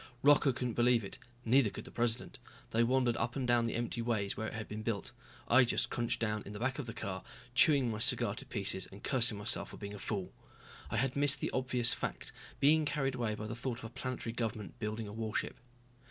Rocca couldn't believe it, neither could the president. They wandered up and down the empty ways where it had been built. I just crunched down in the back of the car, chewing my cigar to pieces and cursing myself for being a fool. I had missed the obvious fact, being carried away by the thought of a planetary government building a warship.